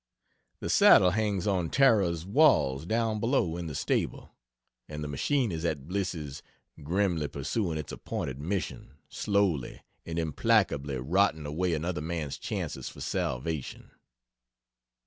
The saddle hangs on Tara's walls down below in the stable, and the machine is at Bliss's grimly pursuing its appointed mission, slowly and implacably rotting away another man's chances for salvation.